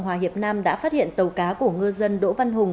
hòa hiệp nam đã phát hiện tàu cá của ngư dân đỗ văn hùng